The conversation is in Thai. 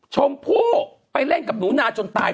ชมพู่ไปเล่นกับหนูนาจนตาย